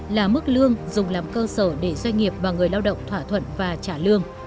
là mức lương dùng làm cơ sở để doanh nghiệp và người lao động thỏa thuận và trả lương